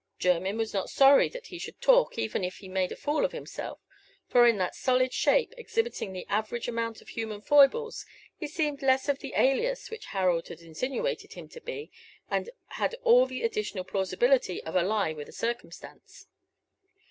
Jermyn was not sorry that he should talk, even if he made a fool of himself; for in that solid shape, exhibiting the average amount of human foibles, he seemed less of the alias which Harold had insinuated him to be, and had all the additional plausibility of a lie with a circumstance.